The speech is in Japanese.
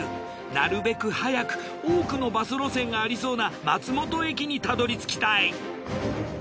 なるべく早く多くのバス路線がありそうな松本駅にたどりつきたい。